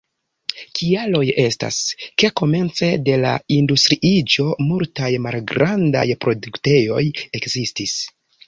Kialoj estas, ke komence de la industriiĝo multaj malgrandaj produktejoj ekzistis.